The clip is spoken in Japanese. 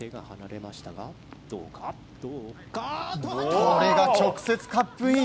これが直接カップイン。